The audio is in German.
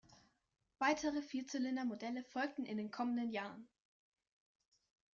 Weitere Vierzylinder-Modelle folgten in den kommenden Jahren.